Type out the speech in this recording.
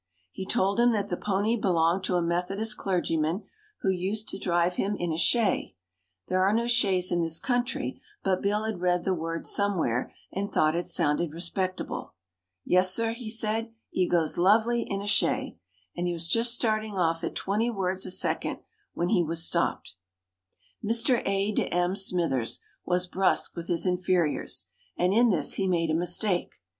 He told him that the pony belonged to a Methodist clergyman, who used to drive him in a "shay". There are no shays in this country; but Bill had read the word somewhere, and thought it sounded respectable. "Yus, sir," he said, "'e goes lovely in a shay," and he was just starting off at twenty words a second, when he was stopped. Mr. A. de M. Smythers was brusque with his inferiors, and in this he made a mistake.